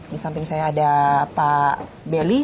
di samping saya ada pak belly